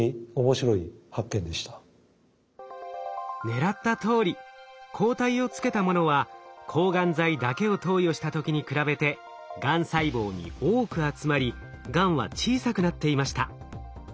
狙ったとおり抗体をつけたものは抗がん剤だけを投与した時に比べてがん細胞に多く集まりがんは小さくなっていました。